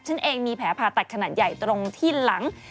ฉันเองมีแผลผ่าตัดขนาดใหญ่ตรงที่หลัง